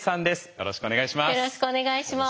よろしくお願いします。